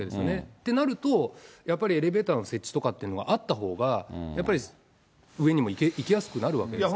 ってなると、やっぱりエレベーターの設置とかっていうのは、あったほうが、やっぱり上にも行きやすくなるわけですから。